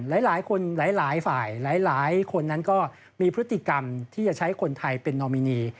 หลายคนหลายฝ่ายหลายคนนั้นก็มีพฤติกรรมที่จะใช้คนไทยเป็นนอมินี